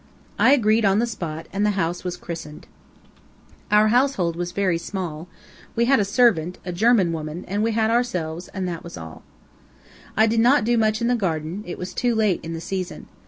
I agreed on the spot, and the house was christened. Our household was small; we had a servant a German woman; and we had ourselves, that was all. I did not do much in the garden; it was too late in the season.